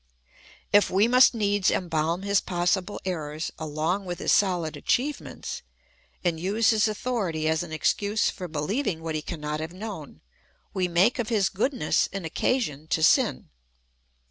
If we must needs embalm his possible errors along with his soHd achievements, and use his authority as an excuse for beheving what he cannot have known, we make of his goodness an oc casion to sin.